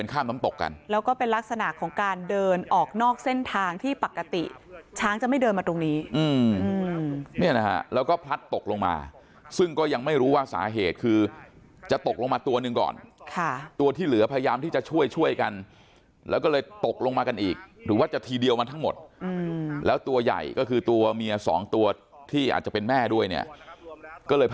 ข้ามน้ำตกกันแล้วก็เป็นลักษณะของการเดินออกนอกเส้นทางที่ปกติช้างจะไม่เดินมาตรงนี้เนี่ยนะฮะแล้วก็พลัดตกลงมาซึ่งก็ยังไม่รู้ว่าสาเหตุคือจะตกลงมาตัวหนึ่งก่อนค่ะตัวที่เหลือพยายามที่จะช่วยช่วยกันแล้วก็เลยตกลงมากันอีกหรือว่าจะทีเดียวมาทั้งหมดแล้วตัวใหญ่ก็คือตัวเมียสองตัวที่อาจจะเป็นแม่ด้วยเนี่ยก็เลยพ